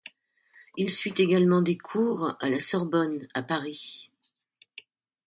Il suit également des cours à la Sorbonne à Paris.